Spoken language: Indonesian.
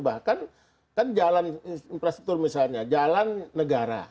bahkan kan jalan infrastruktur misalnya jalan negara